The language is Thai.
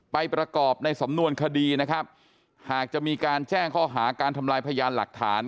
ประกอบในสำนวนคดีนะครับหากจะมีการแจ้งข้อหาการทำลายพยานหลักฐาน